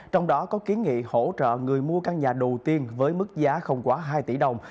trong đó có kiến nghị hỗ trợ người mua căn nhà đầu tiên với mức giá không quá hai tỷ đồng